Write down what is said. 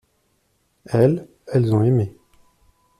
Elles, elles ont aimé.